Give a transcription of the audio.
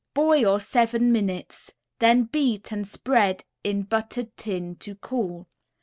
Boil seven minutes; then beat and spread in buttered tin to cool.